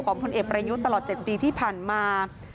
ของคนเอกประยุทธ์ตลอดเจ็ดปีที่ผ่านมา